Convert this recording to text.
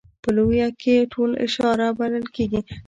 په لویه کې ټول اشاعره بلل کېږي.